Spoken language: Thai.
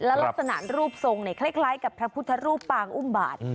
ลักษณะรูปทรงคล้ายกับพระพุทธรูปปางอุ้มบาท